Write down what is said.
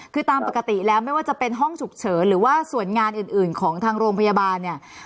คือตามปกติแล้วไม่ว่าจะเป็นห้องฉุกเฉินหรือว่าส่วนงานอื่นของทางโรงพยาบาลเนี่ย